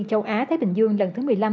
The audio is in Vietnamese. châu á thái bình dương lần thứ một mươi năm